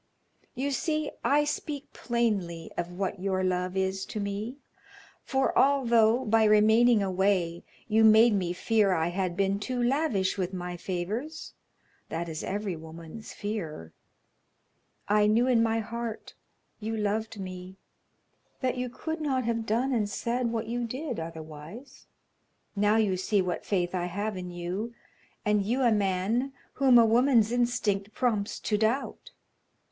You see I speak plainly of what your love is to me, for although, by remaining away, you made me fear I had been too lavish with my favors that is every woman's fear I knew in my heart you loved me; that you could not have done and said what you did otherwise. Now you see what faith I have in you, and you a man, whom a woman's instinct prompts to doubt.